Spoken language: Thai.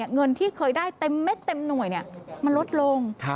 เงินที่เคยได้เต็มเม็ดเต็มหน่วยมันลดลง